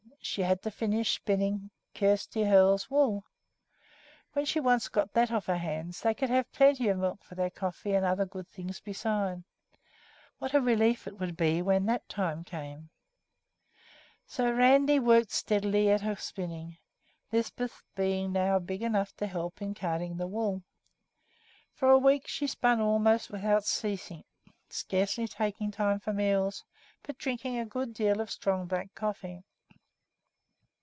She had to finish spinning Kjersti Hoel's wool. When she once got that off her hands, they could have plenty of milk for their coffee, and other good things besides. What a relief it would be when that time came! Sva howg en. So Randi worked steadily at her spinning, Lisbeth being now big enough to help in carding the wool. For a week she spun almost without ceasing, scarcely taking time for meals, but drinking a good deal of strong black coffee.